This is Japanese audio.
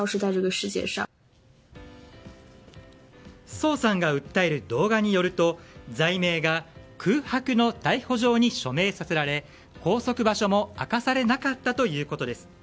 ソウさんが訴える動画によると罪名が空白の逮捕状に署名させられ拘束場所も明かされなかったということです。